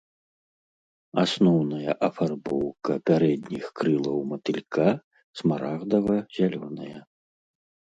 Асноўная афарбоўка пярэдніх крылаў матылька смарагдава-зялёная.